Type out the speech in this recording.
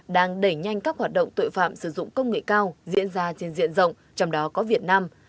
đang đẩy nhanh các hoạt động tội phạm sử dụng công nghệ cao diễn ra trên diện rộng trong đó có việt nam